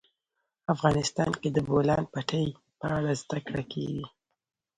افغانستان کې د د بولان پټي په اړه زده کړه کېږي.